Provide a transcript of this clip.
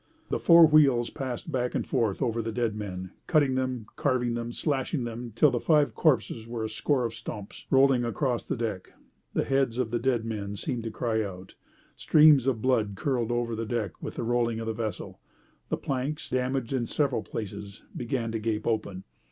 The four wheels passed back and forth over the dead men, cutting them, carving them, slashing them, till the five corpses were a score of stumps rolling across the deck; the heads of the dead men seemed to cry out; streams of blood curled over the deck with the rolling of the vessel; the planks, damaged in several places, began to gape open.